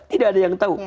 tidak ada yang tahu